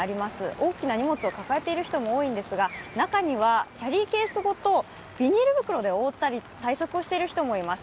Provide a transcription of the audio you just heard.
大きな荷物を抱えている人も多いんですが、中にはキャリーケースごとビニール袋で覆ったり、対策をしている人もいます